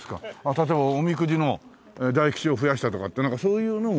例えばおみくじの大吉を増やしたとかってなんかそういうのも？